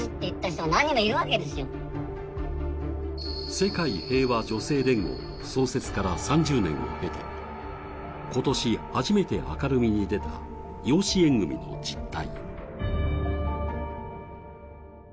世界平和女性連合の創設から３０年を経て、今年初めて明るみに出た養子縁組の実態。